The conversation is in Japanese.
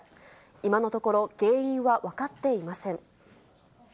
今のところ、原因は分かっていません。